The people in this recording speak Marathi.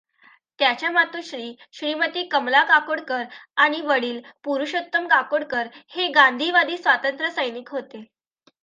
त्याच्या मातोश्री श्रीमती कमला काकोडकर आणि वडील पुरुषोत्तम काकोडकर हे गांधीवादी स्वातंत्र्यसैनिक होते.